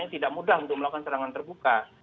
tidak mudah untuk melakukan serangan terbuka